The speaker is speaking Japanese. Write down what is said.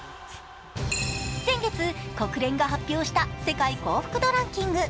先月、国連が発表した世界幸福度ランキング。